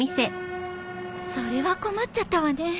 それは困っちゃったわね。